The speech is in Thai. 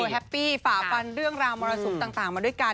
แฮปปี้ฝ่าฟันเรื่องราวมรสุมต่างมาด้วยกัน